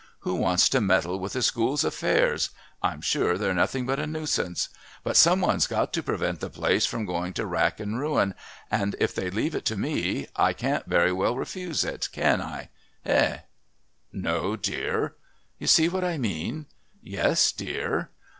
Who wants to meddle with the School's affairs? I'm sure they're nothing but a nuisance, but some one's got to prevent the place from going to wrack and ruin, and if they all leave it to me I can't very well refuse it, can I? Hey?" "No, dear." "You see what I mean?" "Yes, dear."